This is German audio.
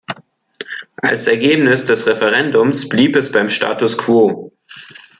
Als Ergebnis des Referendums blieb es beim Status quo.